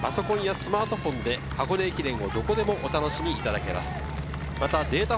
パソコンやスマートフォンで箱根駅伝をどこでもお楽しみいただけます。